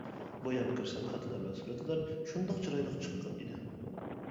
بايام كىرسەم خەتلەر ۋە سۈرەتلەر شۇنداق چىرايلىق چىققان ئىدى.